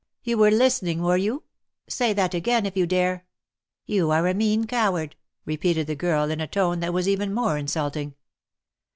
You were listening, were you? Say that again, if you dare !" You are a mean coward !" repeated the girl, in a tone that was even more insulting.